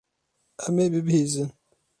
Em ê bibihîzin.